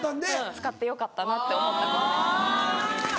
使ってよかったなって思ったことでした。